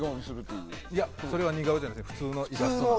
いや、それは似顔絵じゃなくて普通のイラスト。